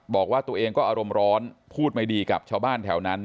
บอกว่าตัวเองก็อารมณ์ร้อนพูดไม่ดีกับชาวบ้านแถวนั้น